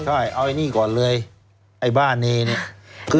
ใช่เอาอันนี้ก่อนเลยไอ้บ้าเนเน